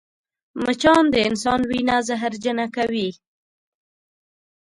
مچان د انسان وینه زهرجنه کوي